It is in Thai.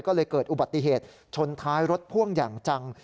ก็เลยเกิดอุบัติเหตุชนท้ายรถพ่วงอย่างจัง